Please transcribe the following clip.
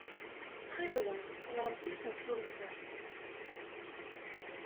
Ttxil-went, ɣremt i temsulta.